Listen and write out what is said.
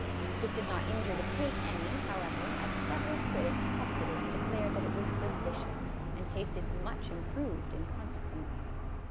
This did not injure the cake any, however, aa*. several critics tested it and declared that it was " de licious," and tasted much improved in consequence.